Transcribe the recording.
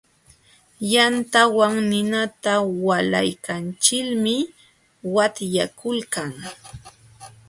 Yantawan ninata walaykachilmi watyakuykan.